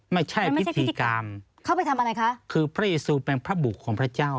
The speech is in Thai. ไม่ใช่พิธีกรรมเข้าไปทำอะไรคะคือพระเซูเป็นพระบุกของพระเจ้า